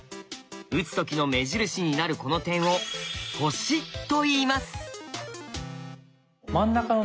打つ時の目印になるこの点を「星」といいます。